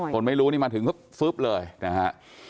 คนไม่รู้นี่มาถึงฟึ๊บเลยนะฮะ